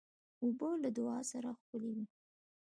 اوبه له دعا سره ښکلي وي.